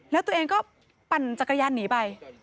แล้วตัวเองก็ปั่นจักรยานหนีไป